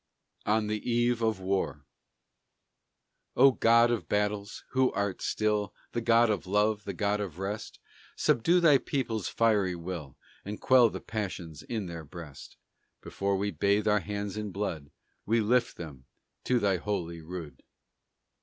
ON THE EVE OF WAR O God of Battles, who art still The God of Love, the God of Rest, Subdue thy people's fiery will, And quell the passions in their breast! Before we bathe our hands in blood We lift them to thy Holy Rood.